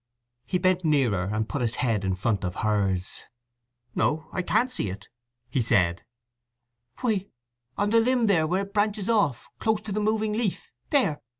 He bent nearer and put his head in front of hers. "No—I can't see it," he said. "Why, on the limb there where it branches off—close to the moving leaf—there!"